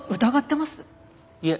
いえ。